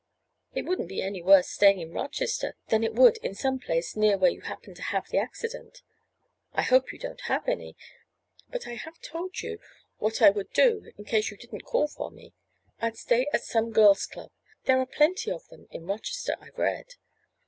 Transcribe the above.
"It wouldn't be any worse staying in Rochester than it would in some place near where you happened to have the accident. I hope you don't have any. But I have told you what I would do in case you didn't call for me. I'd stay at some girls' club. There are plenty of them in Rochester I've read."